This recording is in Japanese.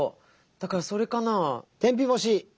だからそれかな？